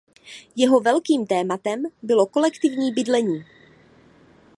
Jeho velkým tématem bylo kolektivní bydlení.